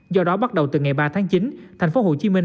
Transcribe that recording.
do đó bắt đầu từ ngày ba tháng chín thành phố hồ chí minh